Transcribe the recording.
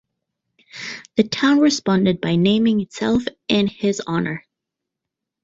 The town responded by naming itself in his honor.